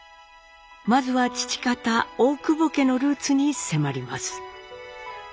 まずは父方大久保家のルーツに迫ります。